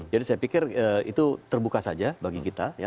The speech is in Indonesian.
jadi saya pikir itu terbuka saja bagi kita